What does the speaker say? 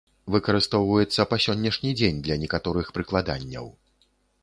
Выкарыстоўваецца па сённяшні дзень для некаторых прыкладанняў.